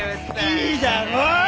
いいだろう？